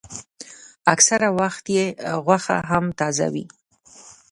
اکثره وخت یې غوښه هم تازه وي.